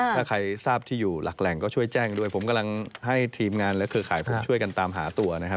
ถ้าใครทราบที่อยู่หลักแหล่งก็ช่วยแจ้งด้วยผมกำลังให้ทีมงานและเครือข่ายผมช่วยกันตามหาตัวนะครับ